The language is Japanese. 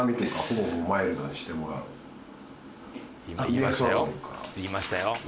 今言いましたよ。